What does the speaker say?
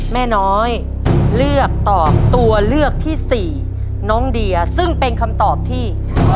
แม่น้อยเลือกตอบตัวเลือกที่สี่น้องเดียซึ่งเป็นคำตอบที่